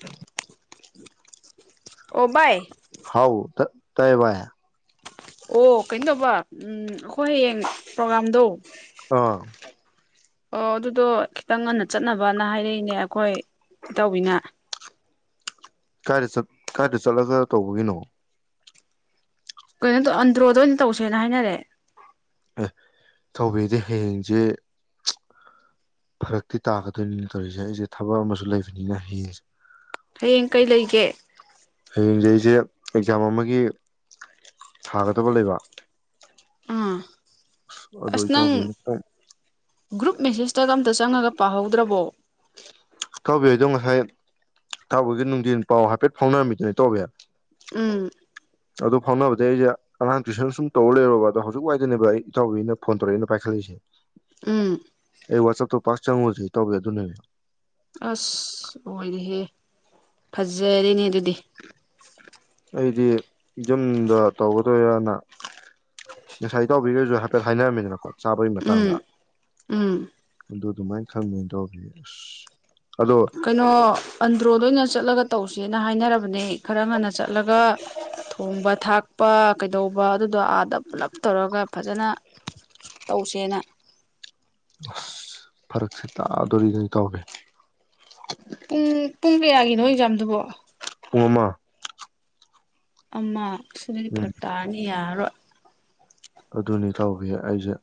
ꯇ ꯑꯣꯕꯥꯏ ꯍꯥꯎ ꯇꯩꯕ ꯑꯣ ꯀꯩꯅꯣ ꯇꯧꯕ ꯎꯝ ꯑꯩꯈꯣꯏ ꯍꯌꯦꯡ ꯄ꯭ꯔꯣꯒꯥꯝꯗꯣ ꯑ ꯑꯣ ꯑꯗꯨꯗꯣ ꯈꯤꯇꯪ ꯉꯟꯅ ꯆꯠꯅꯕꯅ ꯍꯥꯏꯔꯛꯏꯅꯦ ꯑꯩꯈꯣꯏ ꯀꯩꯇꯧꯕꯋꯤꯅ ꯀꯥꯏꯗ ꯀꯥꯏꯗ ꯆꯠꯂꯒ ꯇꯧꯕꯒꯤꯅꯣ ꯀꯩꯅꯣ ꯑꯟꯗ꯭ꯔꯣꯗ ꯑꯣꯏꯅ ꯇꯧꯁꯦꯅ ꯍꯥꯏꯅꯔꯦ ꯑꯦ ꯊꯧꯕꯤꯗꯤ ꯍꯌꯦꯡꯁꯦ ꯐꯔꯛꯇꯤ ꯇꯥꯒꯗꯣꯏꯅꯤꯅ ꯇꯧꯔꯤꯁꯦ ꯑꯩꯁꯦ ꯊꯕꯛ ꯑꯃꯁꯨ ꯂꯩꯕꯅꯤꯅ ꯍꯌꯦꯡꯁꯦ ꯍꯌꯦꯡ ꯀꯩ ꯂꯩꯒꯦ ꯍꯌꯦꯡꯁꯦ ꯑꯩꯁꯦ ꯑꯦꯛꯖꯥꯝ ꯑꯃꯒꯤ ꯊꯥꯒꯗꯕ ꯂꯩꯕ ꯑꯥ ꯑꯗꯨ ꯑꯁ ꯅꯪ ꯏꯇꯥꯎꯕꯤꯅ ꯈꯤꯇꯪ ꯒ꯭ꯔꯨꯞ ꯃꯦꯁꯦꯁꯇ ꯑꯝꯇ ꯆꯪꯉꯒ ꯄꯥꯍꯧꯗ꯭ꯔꯕꯣ ꯇꯥꯎꯕꯤ ꯑꯩꯗꯣ ꯉꯁꯥꯏ ꯇꯥꯎꯕꯤꯒꯤ ꯅꯨꯡꯊꯤꯟ ꯄꯥꯎ ꯍꯥꯏꯐꯦꯠ ꯐꯥꯎꯅꯔꯝꯃꯤꯗꯨꯅꯦ ꯇꯥꯎꯕꯤ ꯎꯝ ꯑꯗꯣ ꯐꯥꯎꯅꯕꯗꯤ ꯑꯩꯁꯦ ꯑꯉꯥꯡ ꯇꯨꯏꯁꯟ ꯁꯨꯝ ꯇꯧꯔ ꯂꯩꯔꯣꯕ ꯑꯗꯣ ꯍꯧꯖꯤꯛ ꯋꯥꯏꯗꯅꯦꯕ ꯑꯩ ꯏꯇꯥꯎꯕꯤꯅ ꯐꯣꯟ ꯇꯧꯔꯛꯏꯅ ꯄꯥꯏꯈꯠꯂꯛꯏꯁꯦ ꯎꯝ ꯑꯩ ꯋꯥꯆꯞꯇꯣ ꯄꯥꯛ ꯆꯪꯉꯨꯗ꯭ꯔꯦ ꯏꯇꯥꯎꯕꯤ ꯑꯗꯨꯅꯦ ꯑꯁ ꯂꯣꯏꯔꯦꯍꯦ ꯐꯖꯔꯅꯦ ꯑꯗꯨꯗꯤ ꯑꯩꯗꯤ ꯌꯨꯝꯗ ꯇꯧꯒꯗꯣꯏꯔꯅ ꯉꯁꯥꯏ ꯇꯥꯎꯕꯤꯒꯁꯨ ꯍꯥꯏꯐꯦꯠ ꯍꯥꯏꯅꯔꯝꯃꯤꯗꯅꯀꯣ ꯆꯥꯕꯒꯤ ꯎꯝ ꯃꯇꯥꯡꯗ ꯎꯝ ꯗꯨꯗꯨꯃꯥꯏ ꯈꯪ ꯏꯇꯥꯎꯕꯤ ꯀꯩꯅꯣ ꯑꯟꯗ꯭ꯔꯣꯗ ꯑꯣꯏꯅ ꯆꯠꯂꯒ ꯇꯧꯁꯦꯅ ꯍꯥꯏꯅꯔꯕꯅꯦ ꯈꯔ ꯉꯟꯅ ꯆꯠꯂꯒ ꯊꯣꯡꯕ ꯊꯥꯛ ꯄ ꯀꯩꯗꯧꯕ ꯑꯗꯨꯗꯣ ꯑꯥꯗ ꯄꯨꯂꯞ ꯇꯧꯔꯒ ꯐꯖꯅ ꯇꯧꯁꯦꯅ ꯑꯁ ꯐꯔꯛꯁꯤ ꯇꯥꯗꯣꯔꯤꯗ ꯏꯇꯥꯎꯕꯤ ꯄꯨꯡ ꯄꯨꯡ ꯀꯌꯥꯒꯤꯅꯣ ꯑꯦꯛꯖꯥꯝꯗꯨꯕꯣ ꯄꯨꯡ ꯑꯃ ꯑꯃ ꯁ ꯗꯨꯗꯤ ꯎꯝ ꯐꯔꯛ ꯇꯥꯔꯅꯤ ꯌꯥꯔꯣꯏ ꯍ ꯑꯗꯨꯅꯤ ꯏꯇꯥꯎꯕꯤ ꯑꯩꯁꯦ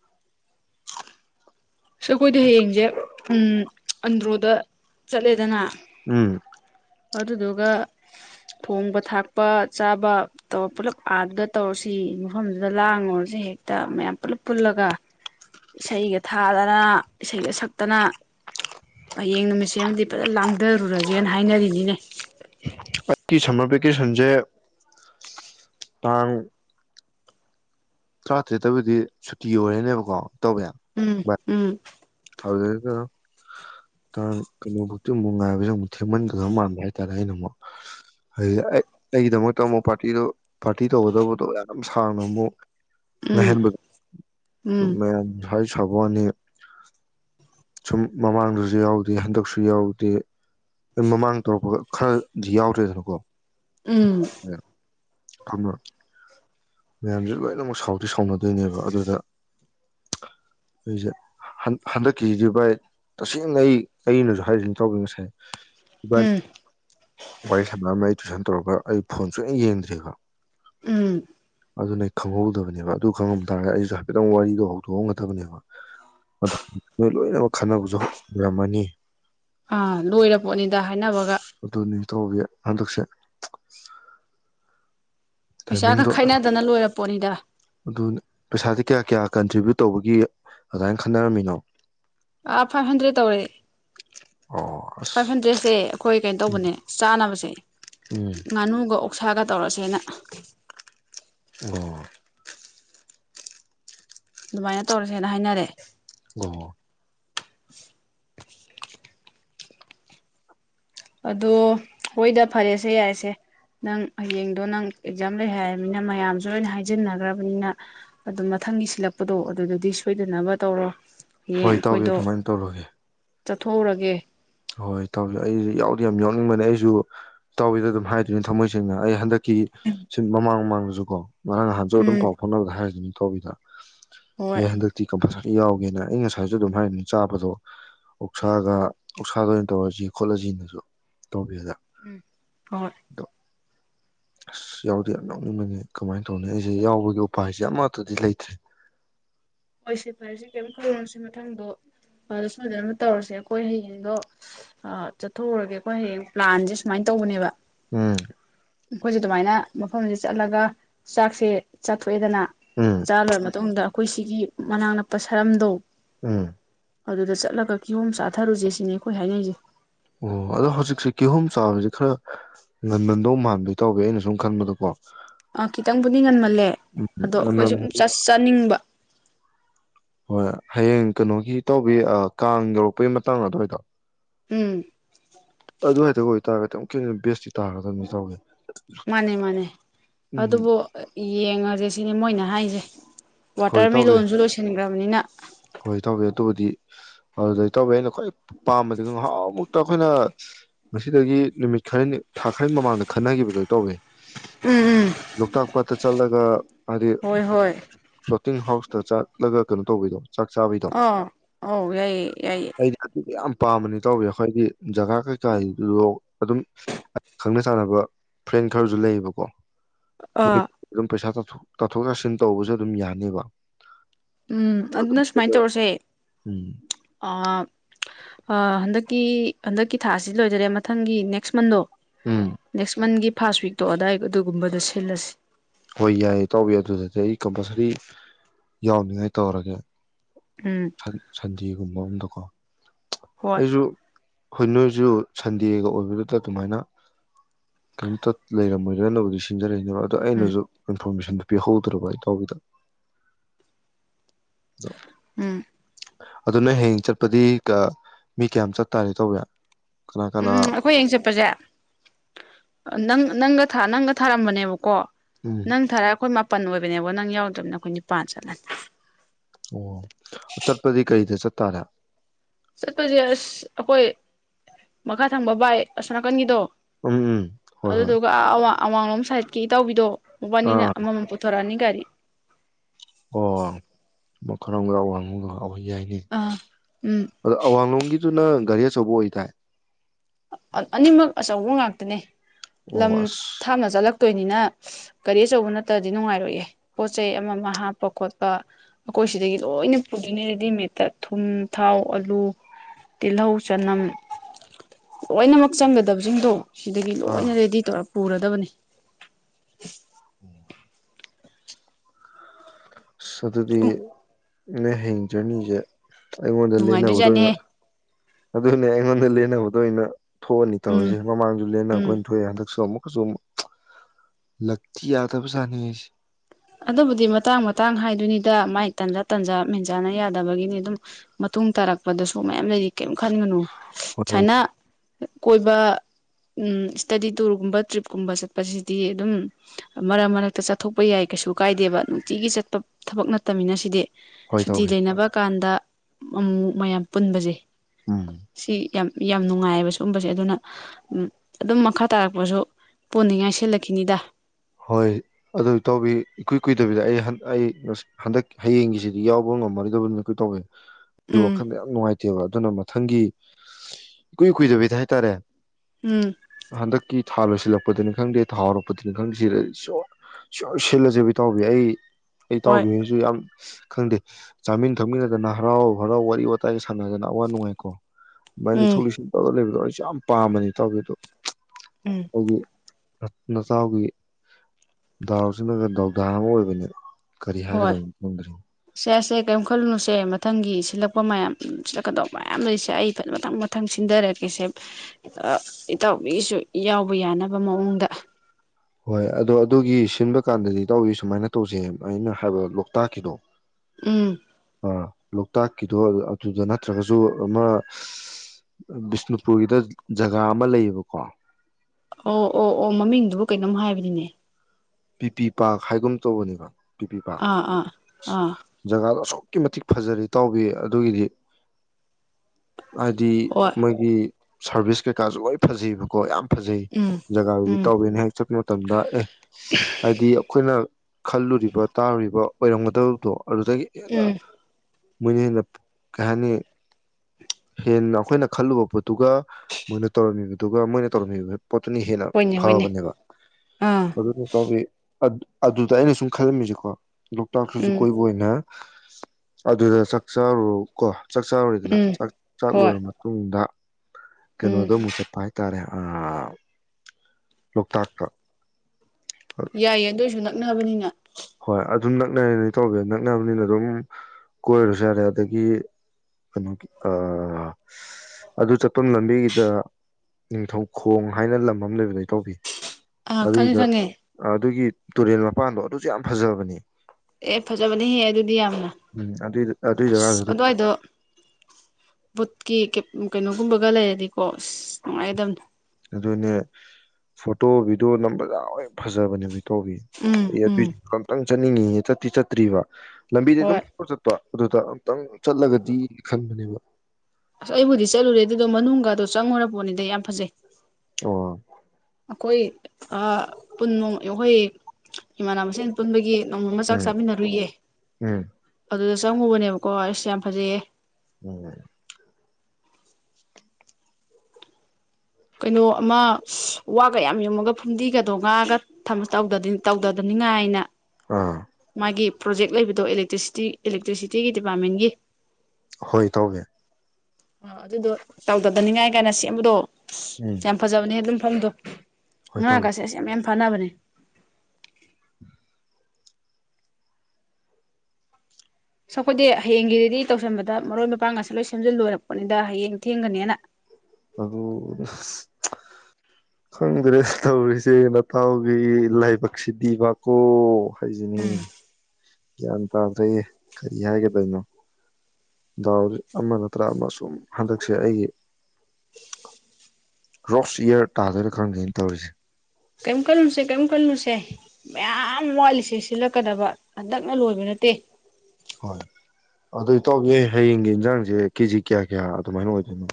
ꯁ ꯑꯩꯈꯣꯏꯗꯤ ꯍꯌꯦꯡꯁꯦ ꯎꯝ ꯑꯟꯗ꯭ꯔꯣꯗ ꯆꯠꯂꯦꯗꯅ ꯎꯝ ꯑꯗꯨꯗꯨꯒ ꯊꯣꯡꯕ ꯊꯥꯛꯄ ꯆꯥꯕ ꯇꯧꯔ ꯄꯨꯜꯂꯞ ꯑꯥꯔꯠꯒ ꯇꯧꯔꯁꯤ ꯃꯐꯝꯗꯨꯗ ꯂꯥꯡꯉꯨꯔꯁꯤ ꯍꯦꯛꯇ ꯃꯌꯥꯝ ꯄꯨꯜꯂꯞ ꯄꯨꯜꯂꯒ ꯏꯁꯩꯒ ꯊ ꯊꯥꯗꯅ ꯏꯁꯩꯒ ꯁꯛꯇꯅ ꯍꯌꯦꯡ ꯅꯨꯃꯤꯠꯁꯦ ꯃꯗꯤ ꯐꯖꯅ ꯂꯥꯡꯗꯔꯨꯔꯁꯦꯅ ꯍꯥꯏꯅꯔꯤꯅꯤꯅꯦ ꯑꯩꯒꯤ ꯁꯝꯃꯔ ꯚꯦꯀꯦꯁꯟꯖꯦ ꯇꯥꯡ ꯇ꯭ꯔꯥꯇꯦꯠꯇꯕꯨꯗꯤ ꯁꯨꯇꯤ ꯑꯣꯏꯔꯅꯦꯕꯀꯣ ꯎꯝ ꯎꯝ ꯑꯗꯨ ꯇꯥꯡ ꯀꯩꯅꯣꯐꯥꯎꯤ ꯑꯃꯨꯛ ꯉꯥꯏꯕꯁꯦ ꯑꯃꯨꯛ ꯊꯦꯝꯃꯟꯒꯗꯕ ꯃꯥꯟꯕ ꯍꯥꯏꯇꯥꯔꯦ ꯑꯩꯅ ꯑꯃꯨꯛ ꯍꯧꯖꯤ ꯑꯩ ꯑꯩꯒꯤꯗꯃꯛꯇ ꯑꯃꯨꯛ ꯄꯥꯔꯇꯤꯗꯣ ꯄꯥꯔꯇꯤ ꯇꯧꯒꯗꯕꯗꯣ ꯌꯥꯝ ꯁꯥꯡꯅ ꯑꯃꯨꯛ ꯎꯝ ꯉꯥꯢꯍꯟꯕꯗꯣꯗꯨ ꯎꯝ ꯃꯌꯥꯝ ꯁꯥꯕꯋꯥꯅꯤ ꯁꯨꯝ ꯃꯃꯥꯡꯗꯁꯨ ꯌꯥꯎꯗꯦ ꯍꯟꯗꯛꯁꯨ ꯌꯥꯎꯗꯦ ꯃꯃꯥꯡ ꯇꯧꯔꯛꯄ ꯈꯔꯗꯤ ꯌꯥꯎꯗ꯭ꯔꯦꯗꯅꯀꯣ ꯎꯝ ꯊꯝ ꯃꯌꯥꯝꯁꯦ ꯂꯣꯏꯅꯃꯛ ꯁꯥꯎꯗꯤ ꯁꯥꯎꯅꯗꯣꯏꯅꯦꯕ ꯑꯗꯨꯗ ꯑꯩꯁꯦ ꯍꯟꯗꯛꯀꯤꯁꯤꯗꯤ ꯚꯥꯏ ꯇꯁꯦꯡꯅ ꯑꯩ ꯑꯩꯅꯁꯨ ꯍꯥꯏꯔꯤꯅꯤ ꯇꯥꯎꯕꯤ ꯉꯁꯥꯏ ꯏꯕꯥꯅꯤ ꯎꯝ ꯋꯥꯔꯤ ꯁꯥꯟꯅꯔꯝꯃꯦ ꯑꯩ ꯇꯨꯏꯁꯟ ꯇꯧꯔꯒ ꯑꯩ ꯐꯣꯟ ꯁꯨꯡꯅ ꯌꯦꯡꯗ꯭꯭ꯔꯦꯕ ꯎꯝ ꯑꯗꯨꯅ ꯑꯩ ꯈꯪꯍꯧꯗꯕꯅꯦꯕ ꯑꯗꯨ ꯈꯪꯉꯝ ꯇꯥꯔꯒꯗꯤ ꯑꯩꯁꯨ ꯍꯥꯏꯐꯦꯠꯇꯪ ꯋꯥꯔꯤꯗꯣ ꯍꯧꯗꯣꯛꯑꯝꯒꯗꯕꯅꯦꯕ ꯅꯣꯢ ꯂꯣꯏꯅꯃꯛ ꯈꯟꯅꯕꯁꯨ ꯂꯣꯢꯔꯝꯃꯅꯤ ꯑꯥ ꯂꯣꯏꯔꯄꯣꯠꯅꯤꯗ ꯍꯥꯏꯅꯕꯒ ꯇꯧꯕꯤ ꯑꯗꯨꯟꯗꯛꯁꯦ ꯄꯩꯁꯥꯒ ꯇꯥꯏꯃꯤꯡꯗꯣ ꯈꯥꯏꯅꯗꯅ ꯂꯣꯏꯔ ꯄꯣꯠꯅꯤꯗ ꯑꯗꯨ ꯄꯩꯁꯥꯗꯤ ꯀꯌꯥ ꯀꯌꯥ ꯀꯟꯇ꯭ꯔꯤꯕꯌꯨꯠ ꯇꯧꯕꯒꯤ ꯑꯗꯨꯃꯥꯏꯅ ꯈꯟꯅꯔꯝꯃꯤꯅꯣ ꯑ ꯐꯥꯏꯚ ꯍꯟꯗ꯭ꯔꯦꯠ ꯇꯧꯔꯦ ꯑꯣ ꯐꯥꯏꯚ ꯑꯁ ꯍꯟꯗ꯭ꯔꯦꯠꯁꯦ ꯑꯩꯈꯣꯏ ꯀꯩꯅꯣ ꯇꯧꯕꯅꯦ ꯆꯥꯅꯕꯁꯦ ꯎꯝ ꯉꯥꯅꯨꯒ ꯑꯣ ꯀꯁꯥꯒ ꯇꯧꯔꯁꯦꯅ ꯑꯣ ꯑꯗꯨꯃꯥꯏꯅ ꯇꯧꯔꯁꯦꯅ ꯍꯥꯏꯅꯔꯦ ꯑ [inaudible] ꯑꯗꯣ ꯍꯣꯏꯗ ꯐꯔꯦꯁꯦ ꯌꯥꯏꯁꯦ ꯅꯪ ꯍꯌꯦꯡꯗꯣ ꯅꯪ ꯑꯦꯛꯖꯥꯝ ꯂꯩ ꯍꯥꯏꯃꯤꯅ ꯃꯌꯥꯝꯁꯨ ꯂꯅ ꯍꯥꯏꯖꯤꯟꯅꯈ꯭ꯔꯕꯅꯤꯅ ꯑꯗꯨ ꯃꯊꯪꯒꯤ ꯁꯤꯜꯂꯛꯄꯗꯣ ꯑꯗꯨꯗꯨꯗꯤ ꯁꯣꯏꯗꯅꯕ ꯇꯧꯔꯣ ꯍꯌꯦꯡ ꯍꯣꯏ ꯇꯧꯒꯦ ꯑꯩꯈꯣꯏꯗꯣ ꯑꯗꯨꯃꯥꯏꯅ ꯇꯧꯔꯒꯦ ꯆꯠꯊꯣꯛꯎꯔꯒꯦ ꯍꯣꯏ ꯇꯧꯏꯦ ꯑꯩꯁꯨ ꯌꯥꯎꯗꯤ ꯌꯥꯝ ꯌꯥꯎꯅꯤꯡꯕꯅꯦ ꯑꯩꯁꯨ ꯇꯧꯋꯗ ꯑꯗꯨꯝ ꯍꯥꯏꯗꯣꯏꯅꯦ ꯊꯝꯃꯣꯏꯁꯤꯡꯅ ꯑꯩ ꯍꯟꯗꯛ ꯀꯤ ꯁꯤ ꯃꯃꯥꯡ ꯃꯃꯥꯡ ꯖꯨꯒꯣ ꯉꯔꯥꯡ ꯅꯍꯥꯟꯁꯨ ꯑꯗꯨꯝ ꯎꯝ ꯄꯥꯎ ꯐꯥꯎꯅꯕꯗ ꯍꯥꯏꯔꯁꯤꯅꯤ ꯊꯣꯛꯗ ꯍꯣꯏ ꯑꯦ ꯍꯟ ꯆꯤ ꯀꯄ ꯌꯥꯎꯒꯦꯅ ꯑꯩ ꯉꯁꯥꯏꯁꯨ ꯑꯗꯨꯝ ꯍꯥꯏꯔꯤꯅꯤ ꯆꯥꯕꯗꯣ ꯑꯣꯛꯁꯥꯒ ꯎꯁꯥꯗꯣꯏ ꯑꯣꯏꯅ ꯇꯧꯔꯁꯤ ꯈꯣꯠꯂꯁꯤꯅꯁꯨ ꯇꯧꯕꯤꯗ ꯎꯝ ꯍꯣꯏ ꯑꯗꯣ ꯑꯁ ꯌꯥꯎꯗꯤ ꯌꯥꯝ ꯅꯣꯛꯅꯤꯡꯕꯅꯤ ꯀꯃꯥꯏꯅ ꯇꯧꯅꯤ ꯑꯩꯁꯦ ꯌꯥꯎꯕꯒꯤ ꯎꯄꯥꯏꯁꯦ ꯑꯃꯠꯇꯗꯤ ꯂꯩꯇ꯭ꯔꯦ ꯍꯣꯏ ꯁꯤ ꯐꯔꯦ ꯁꯤ ꯀꯔꯤꯝ ꯈꯪꯔꯨꯔꯁꯤꯦ ꯃꯊꯪꯗꯣ ꯁꯣꯏꯗꯅ ꯇꯧꯔꯁꯦ ꯑꯩꯈꯣꯏ ꯍꯌꯦꯡꯗꯣ ꯆꯠꯊꯣꯛꯎꯔꯒꯦ ꯑꯩꯈꯣꯏ ꯍꯌꯦꯡ ꯄ꯭ꯂꯥꯟꯁꯦ ꯁꯨꯃꯥꯏꯅ ꯇꯧꯕꯅꯦꯕ ꯎꯝ ꯑꯩꯈꯣꯏꯁꯦ ꯑꯗꯨꯃꯥꯏꯅ ꯃꯐꯝꯁꯤꯗ ꯆꯠꯂꯒ ꯆꯥꯛꯁꯦ ꯀꯣꯏꯗꯅ ꯎꯝ ꯆꯥ ꯂꯣꯏꯔꯕ ꯃꯇꯨꯡꯗ ꯑꯩꯈꯣꯏ ꯁꯤꯒꯤ ꯃꯅꯥꯛ ꯅꯛꯄ ꯁꯔꯝꯗꯣ ꯎꯝ ꯑꯗꯨꯗ ꯆꯠꯂꯒ ꯀꯤꯍꯣꯝ ꯆꯥꯊꯔꯨꯁꯦ ꯁꯤꯅꯦ ꯑꯩꯈꯣꯏ ꯍꯥꯏꯅꯩꯁꯦ ꯑꯣ ꯑꯗꯣ ꯍꯧꯖꯤꯛꯁꯦ ꯀꯤꯍꯣꯝ ꯆꯥꯔꯤꯁꯦ ꯈꯔ ꯉꯟꯃꯟꯗꯧ ꯃꯥꯟꯕꯗꯩ ꯇꯧꯋꯦ ꯑꯩꯅ ꯁꯨꯝ ꯈꯟꯕꯗꯀꯣ ꯑꯥ ꯈꯤꯇꯪꯕꯨꯗꯤ ꯉꯟꯃꯜꯂꯦ ꯑꯗꯣ ꯑꯩꯈꯣꯏ ꯉꯟꯃꯟ ꯁꯨꯝ ꯆꯠ ꯆꯥꯅꯤꯡꯕ ꯍꯣꯏ ꯍꯌꯦꯡ ꯀꯩꯅꯣꯒꯤ ꯇꯧꯕꯤ ꯀꯥꯡ ꯌꯧꯔꯛꯄꯩ ꯃꯇꯥꯡ ꯑꯗꯨꯋꯥꯏꯗꯣ ꯎꯝ ꯑꯗꯨꯋꯥꯗꯒ ꯑꯣꯏꯇꯥꯔꯒꯗꯤ ꯑꯃꯨꯛꯀꯤ ꯕꯦꯁꯇꯤ ꯇꯥꯔꯒꯗꯕ ꯇꯧꯒꯦ ꯃꯥꯅꯦ ꯃꯥꯅꯦ ꯑꯗꯨꯕꯨ ꯌꯦꯡꯉꯁꯦ ꯁꯤꯅꯦ ꯃꯣꯏꯅ ꯍꯥꯏꯁꯦ ꯍꯣꯏ ꯋꯥꯇꯔ ꯏꯇꯥꯎꯕꯤ ꯃꯂꯣꯟꯁꯨ ꯂꯣꯏꯁꯤꯟꯒ꯭ꯔ ꯃꯅꯤꯅ ꯍꯣꯏ ꯇꯧꯋꯦ ꯑꯗꯨꯕꯨꯗꯤ ꯑꯗꯨꯗꯩ ꯇꯧꯋꯦ ꯑꯩꯅ ꯈ꯭ꯋꯥꯏ ꯄꯥꯝꯕꯗꯒꯤ ꯉꯍꯥꯎꯃꯨꯛꯇ ꯑꯩꯈꯣꯏꯅ ꯉꯁꯤꯗꯒꯤ ꯅꯨꯃꯤꯠ ꯈꯔꯅꯤ ꯊꯥ ꯈꯔ ꯃꯃꯥꯡꯗ ꯈꯟꯅꯈꯤꯕꯗꯣ ꯇꯧꯋꯦ ꯎꯝ ꯎꯝ ꯂꯣꯛꯇꯥꯛ ꯄꯥꯠꯇ ꯆꯠꯂꯒ ꯍꯥꯏꯗꯤ ꯍꯣꯏ ꯍꯣꯏ ꯐ꯭ꯂꯣꯇꯤꯡ ꯍꯥꯎꯁꯇ ꯆꯠꯂꯒ ꯀꯩꯅꯣ ꯇꯧꯕꯤꯗꯣ ꯑ ꯍ ꯌꯥꯏꯌꯦ ꯌꯥꯏꯌꯦ ꯑꯩꯗꯤ ꯑꯗꯨꯗꯣ ꯌꯥꯝ ꯄꯥꯝꯕꯅꯤ ꯇꯧꯋ ꯑꯩꯈꯣꯏꯒꯤ ꯖꯒꯥ ꯀꯩꯀꯥꯗꯨꯗꯣ ꯑꯗꯨꯝ ꯈꯪꯅ ꯁꯥꯟꯅꯕ ꯐ꯭ꯔꯦꯟ ꯈꯔꯁꯨ ꯂꯩꯌꯦꯕꯀꯣ ꯑꯥ ꯃ ꯄꯩꯁꯥ ꯇꯥꯊꯣꯛ ꯇꯥꯁꯤꯟ ꯇꯧꯕꯁꯨ ꯑꯗꯨꯝ ꯌꯥꯅꯦꯕ ꯎꯝ ꯑꯗꯨꯅ ꯁꯨꯃꯥꯏꯅ ꯇꯧꯔꯁꯦ ꯎꯝ ꯍꯟꯗꯛꯀꯤ ꯍꯟꯗꯛꯀꯤ ꯊꯥꯁꯤ ꯂꯣꯏꯖꯔꯦ ꯃꯊꯪꯒꯤ ꯅꯦꯛꯁ ꯃꯟꯗꯣ ꯎꯝ ꯅꯦꯛꯁ ꯃꯟ ꯐꯥꯔꯁ ꯋꯤꯛꯇꯣ ꯑꯗꯥꯏ ꯑꯗꯨꯒꯨꯝꯕꯗ ꯁꯤꯜꯂꯁꯤ ꯍꯣꯏ ꯌꯥꯏꯌꯦ ꯇꯧꯕꯤ ꯑꯗꯨꯗꯗꯤ ꯑꯩ ꯀꯝꯄꯜꯁꯔꯤ ꯌꯥꯎꯅꯤꯉꯥꯏ ꯇꯧꯔꯒꯦ ꯎꯝ ꯁꯟꯗꯦꯒꯨꯝꯕ ꯑꯃꯗ [unintelligible] ꯍꯣꯏ ꯑꯩꯁꯨ ꯍꯣꯏ ꯅꯣꯏꯁꯨ ꯁꯟꯗꯦꯒ ꯑꯣꯏꯕꯗꯨꯇ ꯑꯗꯨꯃꯥꯏꯅ ꯀꯩꯣꯝꯇ ꯂꯩꯔꯝꯃꯣꯏꯗꯅꯅꯕꯕꯨꯗꯤ ꯁꯤꯟꯖꯔꯛꯏꯁ ꯑꯗꯣ ꯎꯝ ꯑꯩꯅꯁꯨ ꯏꯟꯐꯣꯔꯃꯦꯁꯟ ꯄꯤꯍꯧꯗꯔ꯭ꯕꯥꯏꯇꯥꯎꯗ ꯎꯝ ꯑꯗꯨꯅ ꯍꯌꯦꯡ ꯆꯠꯄꯗꯤ ꯃꯤ ꯀꯌꯥꯝ ꯆꯠꯇꯥꯥꯔꯦ ꯇꯧꯧꯕꯦ ꯎꯝ ꯑꯩꯈꯣꯏ ꯍꯡ ꯆꯠꯄꯁꯦ ꯅꯪ ꯅꯪꯒ ꯅꯪꯒ ꯊꯥꯔꯝꯕꯅꯦꯕꯀꯣ ꯎꯝ ꯅꯪ ꯊꯔꯦ ꯑꯩꯈꯣꯏ ꯃꯥꯄꯟ ꯑꯣꯏꯕꯅꯦꯕ ꯅꯪ ꯌꯥꯎꯗ꯭ꯔꯃꯤꯅ ꯑꯩꯈꯣꯏ ꯅꯤꯄꯥꯥꯟ ꯆꯠꯂꯅꯤ ꯑꯣ ꯆꯠꯄꯗꯤ ꯀꯩꯗ ꯆꯠꯇꯥꯔꯦ ꯆꯠꯄꯁꯦ ꯑꯁ ꯑꯩꯈꯣꯏ ꯃꯈꯥ ꯊꯪꯕ ꯕꯥꯏ ꯑꯁ ꯅꯥꯀꯟꯒꯤꯗꯣ ꯎꯝ ꯎꯝ ꯍꯣꯏ ꯍꯣꯏ ꯑꯋꯥꯥꯡꯂꯣꯝ ꯁꯥꯏꯠꯀꯤ ꯇꯧꯕꯤꯗꯣ ꯃꯕꯥꯅꯤꯅ ꯑꯥ ꯑꯃꯃꯝ ꯄꯨꯊꯣꯔꯛꯑꯅꯤꯡ ꯀꯔꯤ ꯑꯣ ꯃꯈ ꯈꯔ ꯑꯃ ꯂ ꯋꯥ ꯑꯧꯏ ꯌꯥꯏꯅꯦ ꯑꯥ ꯎꯝ ꯑꯗꯣ ꯑꯋꯥꯡꯂꯣꯝꯒꯤꯗꯨꯅ ꯒꯥꯔꯤ ꯁꯨ ꯑꯣꯏꯇꯥ ꯑꯅꯤꯃꯛ ꯑꯆꯧꯕ ꯉꯥꯛꯇꯅꯦ ꯂꯝ ꯑꯣ ꯑꯁ ꯊꯥꯞꯅ ꯆꯠꯂꯛ ꯆꯠꯇꯣꯏꯅꯤꯅ ꯀꯔꯤ ꯑꯆꯧꯕ ꯅꯠꯇ꯭ꯔꯗꯤ ꯅꯨꯡꯉꯥꯏꯔꯣꯏꯏꯦ ꯄꯣꯠ ꯆꯩ ꯑꯃ ꯑꯃ ꯍꯥꯞꯄ ꯈꯣꯠꯄ ꯑꯩꯈꯣꯏ ꯁꯤꯗꯒꯤ ꯂꯣꯏꯅ ꯄꯨꯗꯣꯏꯅꯦ ꯔꯦꯗꯤꯃꯦꯠꯇ ꯊꯨꯝ ꯊꯥꯎ ꯑꯂꯨ ꯇꯤꯜꯍꯧ ꯆꯅꯝ ꯂꯣꯏꯅꯃꯛ ꯆꯪꯒꯗꯕꯁꯤꯡꯗꯣ ꯁꯤꯗꯒꯤ ꯑꯥ ꯂꯣꯏꯅ ꯔꯦꯗꯤ ꯇꯧꯔꯛꯄ ꯄꯨꯔꯗꯕꯅꯤ ꯎꯝ ꯁꯗꯗꯤ ꯑꯩꯅ ꯍꯌꯦꯡ ꯖꯔꯅꯤꯁꯦ ꯑꯩꯉꯣꯟꯗ ꯂꯦꯟꯅꯕꯗ ꯑꯣꯏꯅ ꯅꯨꯡꯉꯥꯏꯗꯣꯏꯖꯥꯠꯅꯦꯍꯦ ꯑꯗꯨꯅꯦ ꯑꯩꯉꯣꯟꯗ ꯂꯦꯟꯅꯅꯕꯗ ꯑꯣꯏꯅ ꯊꯣꯛꯑꯅꯤ ꯎꯝ ꯇꯧꯔꯁꯦ ꯃꯃꯥꯡꯁꯨ ꯎꯝ ꯂꯦꯟꯅꯈꯣꯏꯅ ꯊꯣꯛꯑꯦ ꯍꯟꯗꯛꯁꯨ ꯑꯃꯨꯛ ꯂꯛꯀꯤ ꯌꯥꯗ ꯄꯩꯁꯥꯅꯤ ꯍꯥꯏꯁꯤ ꯑꯗꯨꯕꯨꯗꯤ ꯃꯇꯥꯡ ꯃꯇꯥꯡ ꯍꯥꯏꯗꯣꯏꯅꯤꯗ ꯃꯥꯏ ꯇꯟꯖꯥ ꯇꯟꯖꯥ ꯃꯦꯟꯖꯥꯅ ꯌꯥꯗꯕꯒꯤꯅꯤ ꯑꯗꯨꯝ ꯃꯇꯨꯡ ꯇꯥꯔꯛꯄ ꯂꯄꯗꯁꯨ ꯃꯌꯥꯝ ꯂꯩꯔꯤ ꯀꯔꯤꯝ ꯈꯟꯒꯅꯨ ꯍꯣꯏ ꯍꯣꯏ ꯁꯨꯃꯥꯏꯅ ꯀꯣꯏꯕ ꯎ ꯏꯁꯇꯗꯤ ꯇꯨꯔꯒꯨꯝꯕ ꯇ꯭ꯔꯤꯞꯀꯨꯝꯕ ꯆꯠꯄꯁꯤꯗꯤ ꯑꯗꯨꯝ ꯃꯔꯛ ꯃꯔꯛꯇ ꯆꯠꯊꯣꯛꯄ ꯌꯥꯏ ꯀꯩꯁꯨ ꯀꯥꯏꯗꯦꯕ ꯅꯨꯡꯇꯤꯒꯤ ꯆꯠꯄ ꯊꯕꯛ ꯅꯠꯇꯃꯤꯅ ꯁꯤꯗꯤ ꯍꯣꯏ ꯁꯨꯇꯤ ꯏꯇꯥꯎꯕꯤ ꯂꯩꯅꯕ ꯀꯥꯟꯗ ꯑꯃꯝ ꯃꯌꯥꯝ ꯄꯨꯟꯕꯁꯦ ꯎꯝ ꯁꯤ ꯌꯥꯝ ꯌꯥꯝ ꯅꯨꯡꯉꯥꯏꯑꯕ ꯁꯒꯨꯝꯕꯁꯦ ꯑꯗꯨꯅ ꯑꯗꯨꯝ ꯃꯈꯥ ꯇꯥꯔꯛꯄꯁꯨ ꯄꯨꯣꯟꯅꯤꯡꯉꯥꯏ ꯁꯤꯜꯂꯛꯈꯤꯅꯤꯗ ꯍꯣꯏ ꯑꯗꯨ ꯇꯧꯕꯤ ꯏꯀꯨꯏ ꯀꯨꯏꯗꯕꯤꯗ ꯑꯩ ꯑꯩ ꯍꯟꯗꯛ ꯍꯌꯦꯡꯒꯤꯁꯤꯗꯤ ꯌꯥꯎꯕ ꯉꯝꯃꯔꯣꯏꯗꯕꯅꯤꯅ ꯀꯨꯏ ꯇꯧꯤ ꯑꯗꯨ ꯎꯝ ꯋꯥꯈꯟꯗ ꯌꯥꯝ ꯅꯨꯡꯉꯥꯏꯇꯦꯕ ꯑꯗꯨꯅ ꯊꯪꯒꯤ ꯏꯀꯨꯏ ꯀꯨꯏꯗꯕꯤꯗ ꯍꯥꯏꯇꯥꯔꯦ ꯎꯝ ꯍꯗ ꯀ ꯊꯜꯁ ꯁꯤꯜꯂꯛꯄꯗꯅꯤ ꯈꯪꯗꯦ ꯊ ꯍꯥꯎꯔꯛꯄꯗꯤꯅ ꯈꯪꯁꯤꯔ ꯁ ꯁꯤꯜꯂꯖꯕ ꯇꯥꯎꯕꯤ ꯑꯩ ꯑꯩ ꯍꯣꯏ ꯇꯧꯒꯅꯁꯨ ꯌꯥꯝ ꯈꯪꯗꯦ ꯆꯥꯃꯤꯟ ꯊꯛꯃꯤꯟꯅꯗꯅ ꯍꯔꯥꯎ ꯍꯔꯥꯎ ꯋꯥꯔꯤ ꯋꯥꯇꯥꯏ ꯁꯥꯟꯅꯗꯅ ꯑꯋꯥ ꯅꯨꯡꯉꯥꯏ ꯀꯣ ꯕꯥ ꯎꯝ ꯊꯣꯛꯣꯛꯂꯤ ꯁ ꯂꯩꯕꯗꯣ ꯑꯩ ꯌꯥꯝ ꯄꯥꯝꯕꯅꯤ ꯇꯧꯒꯦꯗꯣ ꯎꯝ ꯑꯩꯒꯤ ꯅꯁꯥ ꯍꯧꯒ ꯗꯥꯎꯁꯤꯅꯒ ꯗꯥꯎꯗꯥ ꯑꯃ ꯑꯣꯏꯕꯅꯦ ꯀꯔꯤ ꯍꯣꯏ ꯍꯥꯏꯒꯗꯅꯣꯪꯗ ꯁꯦꯁꯦ ꯀꯔꯤꯝ ꯈꯜꯂꯨꯅꯨꯁꯦ ꯃꯊꯪꯒꯤ ꯁꯤꯜꯂꯛꯄ ꯃꯌꯥꯝ ꯁꯤꯜꯂꯛꯀꯗꯧꯕ ꯃꯌꯥꯝ ꯂꯩꯔꯤꯁꯦ ꯑꯩ ꯐꯖ ꯃꯊꯪ ꯃꯊꯪ ꯁꯤꯟꯊꯔꯦ ꯀꯩꯁꯦ ꯏꯇꯥꯎꯕꯤꯁꯨ ꯌꯥꯎꯕ ꯌꯥꯅꯕ ꯃꯑꯣꯡꯗ ꯍꯣꯏ ꯑꯗꯣ ꯑꯗꯨꯒꯤ ꯁꯤꯟꯕ ꯀꯥꯟꯗꯗꯤ ꯇꯧꯏ ꯁꯨꯃꯥꯏꯅ ꯇꯧꯁꯦ ꯑꯩꯅ ꯍꯥꯏꯕ ꯂꯣꯛꯇꯥꯛꯀꯤꯗꯣ ꯎꯝ ꯑ ꯂꯣꯛꯇꯥꯛꯀꯤꯗꯣ ꯑꯗꯨꯗ ꯅꯠꯇ꯭ꯔꯒꯁꯨ ꯑꯃ ꯕꯤꯁꯅꯨꯄꯨꯔꯒꯤꯗ ꯖꯒꯥ ꯑꯃ ꯂꯩꯌꯦꯕꯀꯣ ꯑꯣ ꯑꯣ ꯑꯣ ꯃꯃꯤꯡꯗꯨꯕꯨ ꯀꯩꯅꯣꯝ ꯍꯥꯏꯕꯅꯤꯅꯦ ꯄꯕꯤ ꯄꯄꯤ ꯄꯥꯛ ꯍꯥꯏꯒꯨꯝ ꯇꯧꯕꯅꯦꯕ ꯇꯤ ꯄ ꯄ ꯑꯥ ꯑꯥ ꯑꯥ ꯖꯒꯥꯗ ꯑꯁ ꯑꯗꯨꯛꯀꯤ ꯃꯇꯤꯛ ꯐꯖꯔꯤ ꯇꯥꯎꯕꯤ ꯑꯗꯨꯒꯤꯗꯤ ꯍꯥꯏꯗꯤ ꯍꯣꯏ ꯃꯣꯏꯒꯤ ꯁꯥꯔꯚꯤꯁ ꯀꯩꯀꯥꯁꯨ ꯂꯣꯏ ꯐꯖꯑꯕꯀꯣ ꯌꯥꯝ ꯐꯖꯩ ꯎꯝ ꯖꯒꯥꯗꯨꯗꯤ ꯎꯝ ꯇꯧꯋꯦꯅ ꯍꯦꯛ ꯆꯠꯄ ꯃꯇꯝꯗ ꯑꯦ ꯍꯥꯏꯗꯤ ꯑꯩꯈꯣꯏꯅ ꯈꯜꯂꯨꯔꯤꯕ ꯇꯥꯔꯨꯔꯤꯕ ꯑꯣꯏꯔꯝꯒꯗꯕꯗꯣ ꯑꯗꯨꯗꯒꯤ ꯍꯦꯟꯅ ꯎꯝ ꯃꯣꯏꯅ ꯀꯍꯥꯏꯅꯦ ꯍꯦꯟꯅ ꯑꯩꯈꯣꯏꯅ ꯈꯜꯂꯨꯕ ꯄꯣꯠꯇꯨꯒ ꯃꯣꯏꯅ ꯇꯧꯔꯝꯃꯤꯕꯗꯨꯒ ꯃꯣꯏꯅ ꯇꯧꯔꯝꯃꯤꯕ ꯄꯣꯠꯇꯨꯅ ꯍꯦꯟꯅ ꯍꯣꯏꯅꯦ ꯍꯣꯏꯅꯦ ꯐꯕꯅꯦꯕ ꯑꯥ ꯑꯗꯨꯅ ꯇꯧꯋꯤ ꯑꯗꯨꯗ ꯑꯩꯅ ꯁꯨꯝ ꯈꯜꯂꯝꯃꯤꯁꯦꯀꯣ ꯂꯣꯛꯇꯔ ꯁꯁꯨ ꯎꯝ ꯀꯣꯏꯅ ꯑꯗꯨꯗ ꯆꯥꯛꯆꯥꯔꯨ ꯀꯣ ꯆꯥꯛꯆꯥꯔꯔꯤꯗꯅ ꯎꯝ ꯍꯣꯏ ꯆꯥꯛꯂꯣꯏꯔꯕ ꯃꯇꯨꯡꯗ ꯎꯝ ꯀꯩꯅꯣꯗꯣ ꯑꯃꯨꯛ ꯆꯠꯄ ꯍꯥꯏꯇꯥꯔꯦ ꯑ ꯂꯣꯛꯇꯥꯛꯄ ꯌꯥꯏꯌꯦ ꯑꯗꯨꯣꯏꯁꯨ ꯅ ꯊꯛꯅꯕꯅꯤꯅ ꯍꯣꯏ ꯑꯗꯨꯝ ꯅꯛꯅꯔꯦꯅ ꯇꯧꯕꯤ ꯅꯛꯅꯕꯅꯤꯅ ꯑꯗꯨꯝ ꯀꯣꯏꯔꯁꯨ ꯌꯥꯔꯦ ꯑꯗꯒꯤ ꯀꯩꯅꯣꯒꯤ ꯑꯗꯨ ꯆꯠꯄ ꯂꯝꯕꯤꯒꯤꯗ ꯅꯤꯡꯊꯧꯈꯣꯡ ꯍꯥꯏꯅ ꯂꯝ ꯑꯃ ꯂꯩꯕꯗ ꯇꯧꯕꯤ ꯑꯥ ꯈꯪꯉꯦ ꯑꯗꯨꯒꯤꯗ ꯈꯪꯉꯦ ꯑꯗꯨꯒꯤ ꯇꯨꯔꯦꯜ ꯃꯥꯄꯥꯟꯗꫭ ꯑꯗꯨ ꯌꯥꯝ ꯐꯖꯕꯅꯤ ꯑꯦ ꯐꯖꯕꯅꯤ ꯍꯦ ꯑꯗꯨꯗꯤ ꯌꯥꯝꯅ ꯎꯝ ꯑꯗꯨꯏ ꯑꯗꯨꯏ ꯖꯒꯥꯗꯨꯗ ꯑꯗꯨꯋꯥꯏꯗꯣ ꯀꯤ ꯀꯩꯅꯣꯒꯨꯝꯕꯒ ꯂꯩꯔꯗꯤꯀꯣ ꯑꯁ ꯅꯨꯡꯉꯥꯏꯒꯗꯕꯅꯤ ꯑꯗꯨꯅꯦ ꯐꯣꯇꯣ ꯚꯤꯗꯤꯑꯣ ꯅꯝꯕ ꯂꯥꯛꯎꯧꯏ ꯐꯖꯕꯅꯦ ꯃꯤꯇꯣꯕꯤ ꯎꯝ ꯑꯩ ꯑꯗꯨ ꯎꯝ ꯑꯪ ꯆꯠꯅꯤꯡꯉꯤꯌꯦ ꯆꯠꯇꯤ ꯆꯠꯇ꯭ꯔꯤꯕ ꯂꯝꯕꯤꯗ ꯑꯗꯨꯝ ꯍꯣꯏ ꯆꯠꯄꯣ ꯑꯗꯨꯗ ꯑꯨꯛꯇꯪ ꯆꯠꯂꯒꯗꯤ ꯈꯟꯕꯅꯦꯕ ꯑꯁ ꯑꯩꯕꯨꯗꯤ ꯆꯠꯂꯨꯔꯦ ꯑꯗꯨꯗꯣ ꯃꯅꯨꯡꯒꯗꯣ ꯆꯪꯉꯨꯔ ꯄꯣꯠꯅꯤꯗ ꯌꯥꯝ ꯐꯖꯩ ꯑꯣ ꯑꯩꯈꯣꯏ ꯄꯨ ꯑꯩꯈꯣꯏ ꯏꯃꯥꯟꯅꯕꯁꯦꯜ ꯄꯨꯟꯕꯒꯤ ꯑꯃ ꯆꯥꯛ ꯎꯝ ꯆꯥꯃꯤꯟꯅꯔꯨꯏꯌꯦ ꯎꯝ ꯑꯗꯨꯗ ꯆꯪꯉꯨꯕꯅꯦꯕꯀꯣ ꯑꯩꯁ ꯌꯥꯝ ꯐꯖꯩꯌꯦ ꯎꯝ ꯀꯩꯅꯣ ꯑꯃ ꯋꯥꯒ ꯌꯥꯝ ꯌꯣꯃꯒ ꯐꯨꯝꯗꯤꯒꯗꯣ ꯉꯥꯒ ꯇꯧꯗꯗꯅꯤꯉꯥꯏꯅ ꯑꯥ ꯃꯥꯒꯤ ꯄ꯭ꯔꯣꯖꯦꯛ ꯂꯩꯕꯗꯣ ꯑꯦꯂꯦꯛꯇ꯭ꯔꯤꯁꯤꯇꯤꯒꯤ ꯗꯤꯄꯥꯔꯠꯃꯦꯟꯒꯤ ꯍꯣꯏ ꯇꯧꯒꯦ ꯑ ꯑꯗꯨꯗꯣ ꯇꯧꯗꯗꯅꯤꯡꯉꯥꯏ ꯀꯥꯏꯅ ꯁꯦꯝꯕꯗꯣ ꯎꯝ ꯆꯌꯥꯝ ꯐꯖꯕꯅꯤ ꯑꯗꯨꯝ ꯈꯟꯗꯣꯛ ꯍꯣꯏ ꯇꯧꯒꯦ ꯉꯒꯁꯦꯁꯦ ꯐꯅꯕꯅꯤ ꯁꯣ ꯑꯩꯈꯣꯏꯗꯤ ꯍꯌꯦꯡꯒꯤꯗꯗꯤ ꯇꯧꯁꯟꯕꯗ ꯃꯔꯣꯏ ꯃꯄꯥꯡ ꯑꯁ ꯂꯣꯏ ꯁꯦꯝꯖꯤꯜꯂꯣꯏꯔꯛꯄꯅꯤꯗ ꯍꯌꯦꯡ ꯊꯦꯡꯒꯅꯦꯅ ꯑꯗꯨ ꯑꯁ ꯈꯪꯗ꯭ꯔꯦ ꯇꯧꯔꯤꯁꯦ ꯅꯇꯥꯎꯒꯤ ꯂꯥꯏꯕꯛꯁꯤꯗꯤꯕꯀꯣ ꯍꯥꯏꯁꯤꯅꯤ ꯒ꯭ꯌꯥꯟ ꯇꯥꯗ꯭ꯔꯌꯦ ꯀꯔꯤ ꯍꯥꯏꯒꯗꯣꯏꯅꯣ ꯗꯥꯎ ꯑꯃ ꯅꯠꯇ꯭ꯔ ꯑꯃ ꯁꯨꯝ ꯍꯟꯗꯛꯁꯦ ꯑꯩꯒꯤ ꯔ꯭ꯔꯣꯁ ꯏꯌꯥꯔ ꯇꯥꯗꯣꯏꯅ ꯈꯪꯒꯦꯅ ꯇꯧꯔꯤꯁꯦ ꯀꯔꯤꯝ ꯈꯜꯂꯨꯁꯦ ꯀꯔꯤꯝ ꯈꯜꯂꯨꯁꯦ ꯃꯌꯥꯝ ꯋꯥꯠꯂꯤꯁꯦ ꯁꯤꯜꯂꯛꯀꯗꯕ ꯍꯟꯗꯛꯅ ꯂꯣꯏꯕ ꯅꯠꯇꯦ ꯍꯣꯏ ꯑꯗꯨ ꯇꯧꯒꯦ ꯍꯌꯦꯡꯒꯤ ꯏꯟꯁꯥꯡꯁꯦ ꯀꯦꯖꯤ ꯀꯌꯥ ꯀꯌꯥ ꯑꯗꯨꯃꯥꯏꯅ ꯑꯣꯏꯗꯣꯏꯅꯣ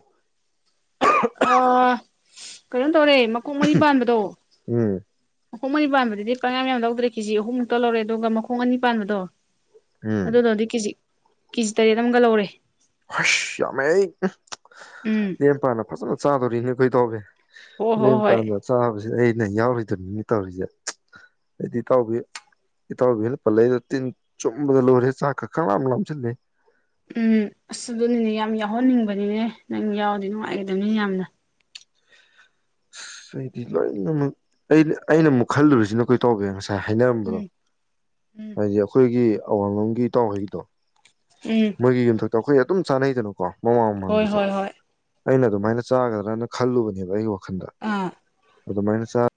ꯑꯣ ꯀꯩꯅꯣꯝ ꯇꯧꯣꯔꯦ ꯃꯀꯣꯛ ꯃꯔꯤ ꯄꯥꯟꯕꯗꯣ ꯎꯝ ꯃꯈꯣꯡ ꯑꯅꯤ ꯄꯥꯟꯕꯗꯗꯤ ꯄꯪꯥꯝ ꯌꯥꯝ ꯂꯧꯗ꯭ꯔꯦ ꯀꯦꯖꯤ ꯑꯍꯨꯝꯃꯨꯛꯇ ꯂꯧꯔꯦ ꯑꯗꯨꯒ ꯃꯈꯣꯡ ꯑꯅꯤ ꯄꯥꯟꯕꯗꯣ ꯎꯝ ꯑꯗꯨꯗ ꯅꯣ ꯗꯤ ꯀꯦꯖꯤ ꯀꯦꯖꯤ ꯇꯔꯦꯠ ꯑꯃꯒ ꯂꯧꯔꯦ ꯑꯁ ꯌꯥꯝꯃꯦ ꯎꯝ ꯂꯦꯝ ꯄꯥꯅ ꯐꯖꯅ ꯆꯥꯗꯣꯔꯤꯅꯦ ꯀꯩ ꯇꯧꯒꯦ ꯍꯣꯏ ꯍꯣꯏ ꯂꯩꯝ ꯍꯣꯏ ꯄꯥꯝꯃꯦ ꯆꯕ ꯁꯤ ꯑꯩꯅ ꯌꯥꯎꯔꯤꯣꯏꯗꯕꯅꯤꯅ ꯇꯧꯔꯤꯁꯦ ꯑꯩꯗꯤ ꯏꯇꯥꯎꯕꯤ ꯏꯇꯥꯎꯕꯤ ꯍꯦꯜꯂꯛꯄꯜ ꯂꯩꯗꯣ ꯇꯤꯟ ꯆꯨꯝꯕꯗ ꯂꯣꯏꯔꯦ ꯆꯥꯛ ꯈ ꯈꯔ ꯂꯥꯝꯁꯤꯜꯂꯦ ꯎꯝ ꯑꯁ ꯑꯗꯨꯅꯤꯅꯦ ꯌꯥꯝ ꯌꯥꯎꯍꯟꯅꯤꯡꯕꯅꯤꯅꯦ ꯅꯪ ꯌꯥꯎꯗꯤ ꯅꯨꯡꯉꯥꯏꯒꯗꯕꯅꯤꯅ ꯌꯥꯝꯅ ꯑꯁ ꯑꯩꯗꯤ ꯂꯣꯏꯅꯃꯛ ꯑꯩꯅ ꯑꯩꯅ ꯑꯃꯨꯛ ꯈꯜꯂꯨꯔꯤꯁꯤꯅ ꯀꯣꯏ ꯇꯧꯒꯦ ꯉꯁꯥꯏ ꯉꯁ ꯍꯥꯏꯅꯔꯝꯕꯗꯣ ꯎꯝ ꯎꯝ ꯍꯥꯏꯗꯤ ꯑꯩꯈꯣꯏꯒꯤ ꯑꯋꯥꯡꯂꯝꯒꯤ ꯏ ꯇꯥꯎꯍꯩꯗꯣ ꯎꯝ ꯃꯒꯤꯒꯤ ꯑꯗꯣꯈꯣꯏ ꯑꯗꯨꯝ ꯆꯥꯟꯅꯩꯗꯅꯀꯣ ꯃꯃꯥꯡ ꯍꯣꯏ ꯃꯃꯥꯡꯗꯨꯁꯨ ꯍꯣꯏ ꯍꯣꯏ ꯑꯩꯅ ꯑꯗꯨꯃꯥꯏꯅ ꯆꯥꯒꯗ꯭ꯔꯅ ꯈꯜꯂꯨꯕꯅꯦꯕ ꯑꯩꯒꯤ ꯋꯥꯈꯟꯗ ꯑꯥ ꯑꯗꯨꯗꯃꯥꯏꯅꯁꯥ